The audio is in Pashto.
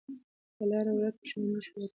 که لاره ورکه شي، نښه لټو.